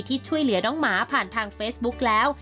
ที่ช่วยเหลือน้องหมาผ่านทางเฟซบุ๊กแล้ว